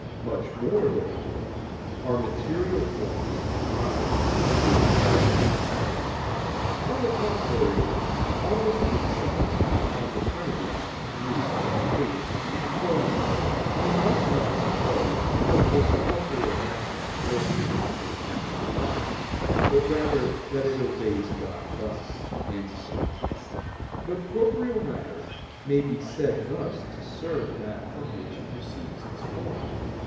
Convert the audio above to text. Much more, therefore, are material forms derived from spiritual substances. On the contrary, Augustine says (De Trin. iii, 8): "We must not suppose that this corporeal matter serves the angels at their nod, but rather that it obeys God thus." But corporeal matter may be said thus to serve that from which it receives its form.